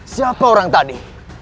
siapa orang tadi